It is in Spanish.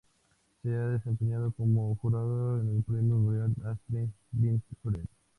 Se ha desempeñado como jurado en el Premio Memorial Astrid Lindgren.